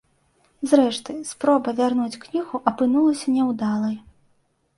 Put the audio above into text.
Зрэшты, спроба вярнуць кнігу апынулася няўдалай.